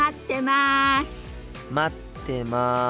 待ってます。